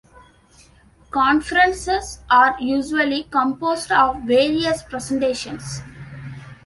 Conferences are usually composed of various presentations.